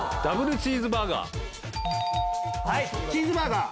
ダブルチーズバーガー。